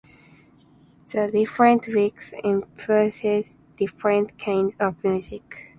The different weeks emphasize different kinds of music.